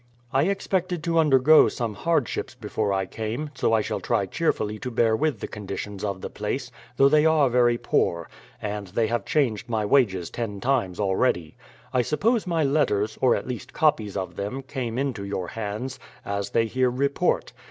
I expected to undergo some hardships before I came, so I shall try cheerfully to bear with the conditions of the place, though they are very poor; and they have changed my wages ten times already. I suppose my letters, — or at least copies of them, —• came into your hands, as they here report.